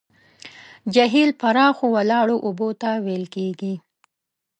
جهیل پراخو ولاړو اوبو ته ویل کیږي.